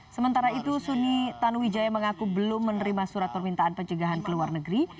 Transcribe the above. sementara itu suni tanuwijaya mengaku belum menerima surat permintaan pencegahan ke luar negeri